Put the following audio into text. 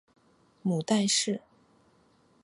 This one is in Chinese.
母戴氏。